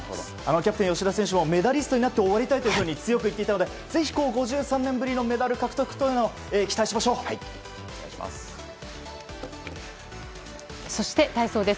キャプテン吉田選手もメダリストになって終わりたいと強く言っていたので５３年ぶりのメダル獲得にそして体操です。